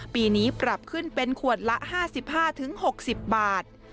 ปีนี้ปรับขึ้นเป็นขวดละ๕๕๖๐บาท